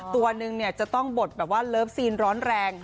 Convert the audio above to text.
ตัวหนึ่งจะต้องบดแบบว่าเลิฟซีนร้อนแรง